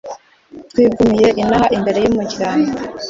twigumiye inaha imbere y’umuryango